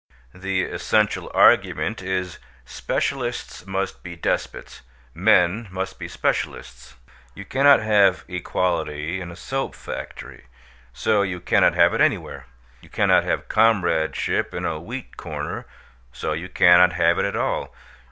The essential argument is "Specialists must be despots; men must be specialists. You cannot have equality in a soap factory; so you cannot have it anywhere. You cannot have comradeship in a wheat corner; so you cannot have it at all.